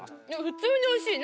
普通においしい。